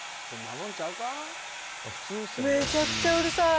めちゃくちゃうるさい。